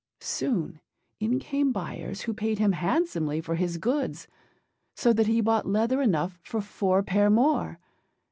Soon in came buyers, who paid him handsomely for his goods, so that he bought leather enough for four pair more.